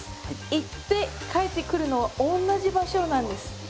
行って帰ってくるのは同じ場所なんです。